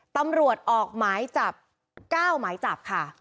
ตำรวจออกหมายจับ๙หมายจับค่ะ